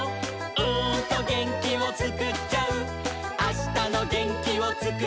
「あしたのげんきをつくっちゃう」